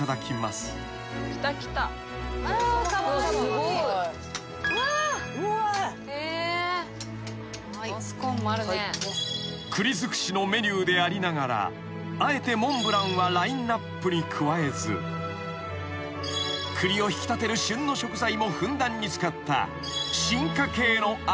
すごい。［栗尽くしのメニューでありながらあえてモンブランはラインアップに加えず栗を引き立てる旬の食材もふんだんに使った進化形のアフタヌーンティー］